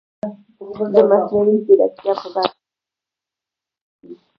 د مصنوعي ځیرکتیا په برخه کي ځوانان څېړني کوي.